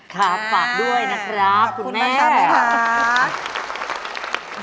ครับฝากด้วยนะครับคุณแม่อเรนนี่ขอบคุณมากครับค่ะ